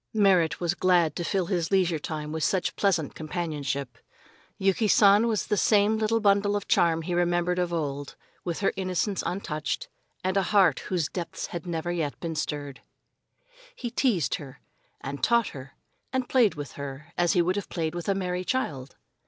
Merrit was glad to fill his leisure time in such pleasant companionship. Yuki San was the same little bundle of charm he remembered of old, with her innocence untouched, and a heart whose depths had never yet been stirred. He teased her, and taught her, and played with her, as he would have played with a merry child.